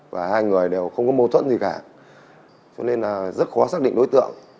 và hai người đều không có mâu thuẫn gì cả cho nên là rất khó xác định đối tượng